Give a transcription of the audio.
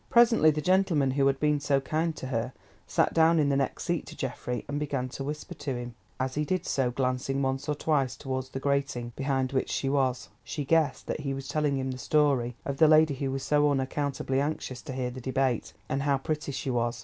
Presently the gentleman who had been so kind to her, sat down in the next seat to Geoffrey, and began to whisper to him, as he did so glancing once or twice towards the grating behind which she was. She guessed that he was telling him the story of the lady who was so unaccountably anxious to hear the debate, and how pretty she was.